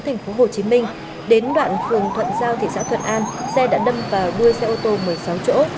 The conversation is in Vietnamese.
tp hcm đến đoạn phường thuận giao thị xã thuận an xe đã đâm vào đuôi xe ô tô một mươi sáu chỗ